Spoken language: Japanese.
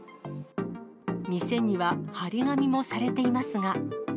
店には貼り紙もされていますが。